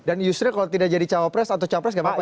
dan justru kalau tidak jadi cawapres atau capres gak apa apa ya